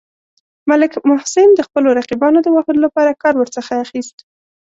ملک محسن د خپلو رقیبانو د وهلو لپاره کار ورڅخه اخیست.